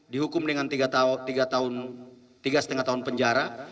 dihukum dengan tiga lima tahun penjara